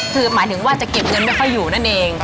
คือหมายถึงว่าจะเก็บเงินไม่ค่อยอยู่นั่นเอง